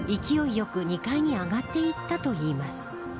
よく２階に上がっていったといいます。